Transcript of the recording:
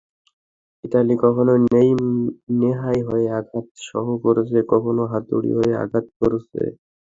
Italy কখনো নেহাই হয়ে আঘাত সহ্য করেছে, কখনো হাতুড়ি হয়ে আঘাত করেছে।